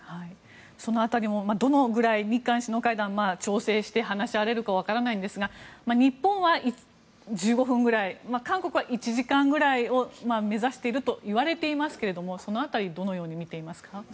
その辺り、どのぐらい日韓首脳会談で調整して、話し合われるか分からないんですが日本は１５分ぐらい韓国は１時間ぐらいを目指しているといわれていますがその辺り、どのようにみていますか。